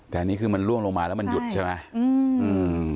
แต่อันนี้คือมันล่วงลงมาแล้วมันหยุดใช่ไหมอืม